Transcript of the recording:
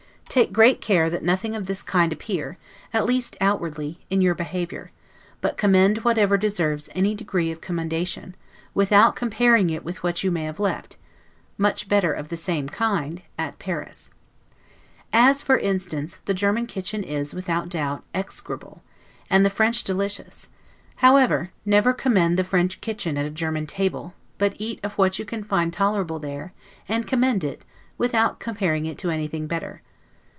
Take great care that nothing of this kind appear, at least outwardly, in your behavior; but commend whatever deserves any degree of commendation, without comparing it with what you may have left, much better of the same kind, at Paris. As for instance, the German kitchen is, without doubt, execrable, and the French delicious; however, never commend the French kitchen at a German table; but eat of what you can find tolerable there, and commend it, without comparing it to anything better.